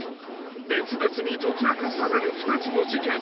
［別々に解き明かされる２つの事件］